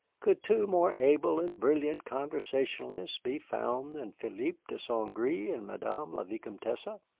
Could two more able and brilliant conversationalists be found than Philippe de St. Gré and Madame la Vicomtesse?